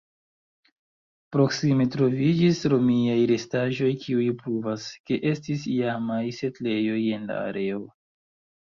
Proksime troviĝis romiaj restaĵoj kiuj pruvas, ke estis iamaj setlejoj en la areo.